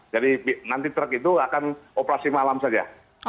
jadi nanti truk itu akan operasi malam saja